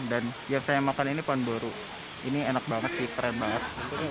dan yang saya makan ini pandoro ini enak banget sih keren banget